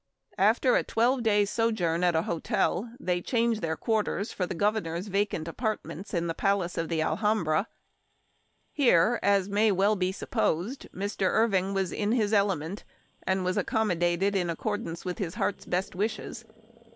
After a twelve days' sojourn at a hotel, they change their quarters for the Governor's vacant apart Memoir of Washington Irving. 187 ments in the palace of the Alhambra. Here, as may well be supposed, Mr. Irving was in his element, and was accommodated in accordance with his heart's best wishes.